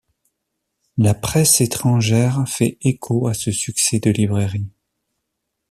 La presse étrangère fait écho à ce succès de librairie.